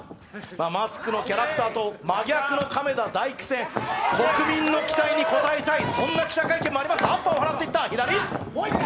マスクのキャラクターと真逆の亀田大毅戦、国民の期待に応えたい、そんな記者会見もありました。